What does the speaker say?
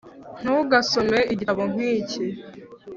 ntugasome igitabo nk'iki